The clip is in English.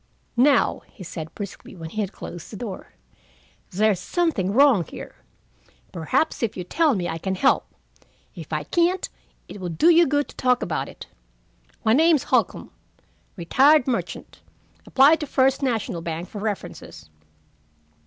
"Now," he said briskly, when he had closed the door, "there's something wrong here. Perhaps if you tell me, I can help. If I can't, it will do you good to talk about it. My name's Holcombe, retired merchant. Apply to First National Bank for references."